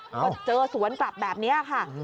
ก็เจอสวนกลับแบบนี้ค่ะ